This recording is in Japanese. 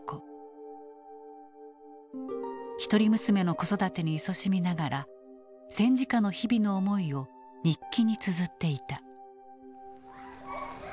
一人娘の子育てにいそしみながら戦時下の日々の思いを日記につづっていた。